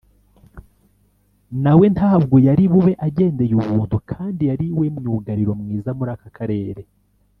na we ntabwo yari bube agendeye ubuntu kandi yari we myugariro mwiza muri aka karere